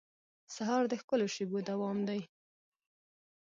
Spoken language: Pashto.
سهار د ښکلو شېبو دوام دی.